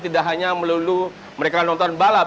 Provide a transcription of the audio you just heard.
tidak hanya melulu mereka nonton balap